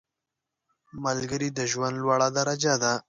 ملګری د ژوند لوړه درجه ده